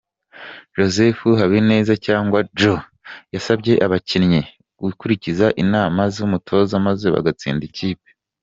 Joseph Habineza cyangwa Joe, yasabye abakinnyi gukurikiza inama z’umutoza maze bagatsinda ikipe.